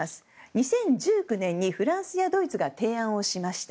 ２０１９年にフランスやドイツが提案しました。